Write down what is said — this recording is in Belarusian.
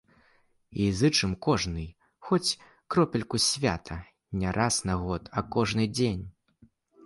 І зычым кожнай хоць кропельку свята не раз на год, а кожны дзень!